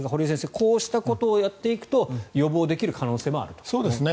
こうしたことをやっていくと予防できる場合もあると。